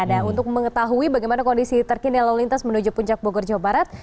dan untuk mengetahui bagaimana kondisi terkini lalu lintas menuju puncak bogor jawa barat